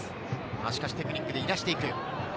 しかしテクニックでいなしていく。